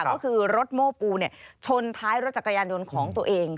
ก็คือรถโม้ปูชนท้ายรถจักรยานยนต์ของตัวเอง